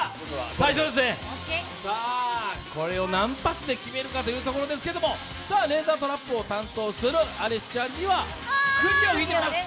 これを何発で決めるかというところですけれども、レーザートラップを担当するアリスちゃんにはくじを引いてもらいます。